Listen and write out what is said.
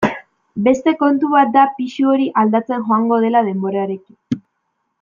Beste kontu bat da pisu hori aldatzen joango dela denborarekin.